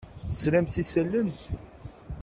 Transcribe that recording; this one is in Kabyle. Teslam s yisallen?